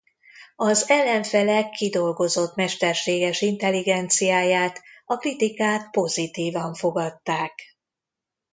Az ellenfelek kidolgozott mesterséges intelligenciáját a kritikák pozitívan fogadták.